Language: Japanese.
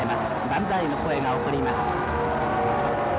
万歳の声が起こります。